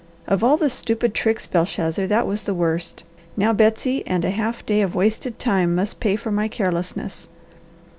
Of all the stupid tricks, Belshazzar, that was the worst. Now Betsy and a half day of wasted time must pay for my carelessness.